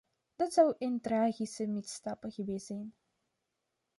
Dat zou een tragische misstap geweest zijn.